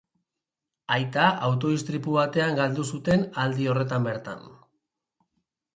Aita auto istripu batean galdu zuten aldi horretan bertan.